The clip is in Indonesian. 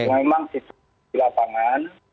tapi memang di lapangan